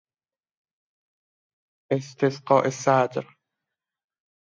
استسقاء صدر